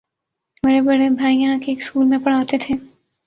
میرے بڑے بھائی یہاں کے ایک سکول میں پڑھاتے تھے۔